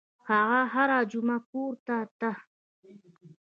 هغه هره جمعه کور ته ته.